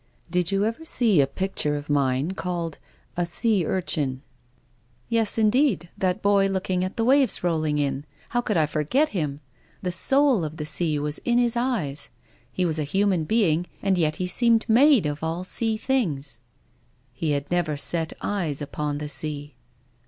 " Did you ever see a picture of mine called ' A sea urchin '?" "Yes, indeed — that boy looking at the waves rolling in !— who could forget him ? The soul of the sea was in his eyes. He was a human being, and yet he seemed made of all sea things," " He had never set eyes upon the sea."